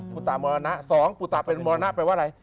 ุตามรณะสองปุตะเป็นมรณะแปลว่าอะไร